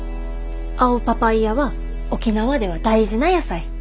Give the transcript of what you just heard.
青パパイアは沖縄では大事な野菜。